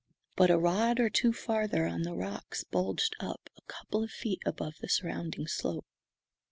But a rod or two farther on the rocks bulged up a couple of feet above the surrounding slope.